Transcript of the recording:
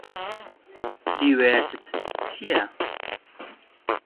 هیوایەتت چییە؟